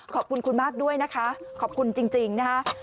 ขอบคุณคุณมากด้วยนะคะขอบคุณจริงนะคะ